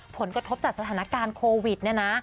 ผลกระทบจากสถานการณ์โควิดเนี่ยนะ